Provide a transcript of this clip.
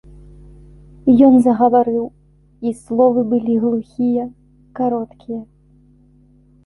Ён загаварыў, і словы былі глухія, кароткія.